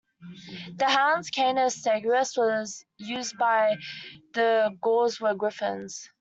The hounds, Canis Segusius, used by the Gauls were griffons.